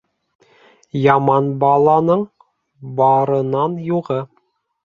Яман баланың барынан юғы.